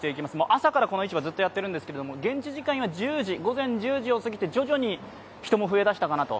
朝からこの市場やっているんですけれども現地時間は午前１０時を過ぎて徐々に人も増えだしたかなと。